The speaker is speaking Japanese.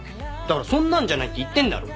だからそんなんじゃないって言ってんだろ。